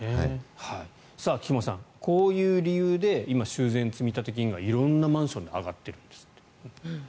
菊間さん、こういう理由で今、修繕積立金が色んなマンションで上がっているんですって。